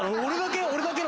俺だけ？